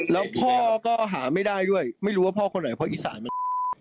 แล้วพ่อก็หาไม่ได้ด้วยไม่รู้ว่าพ่อคนไหนเพราะอีสานมัน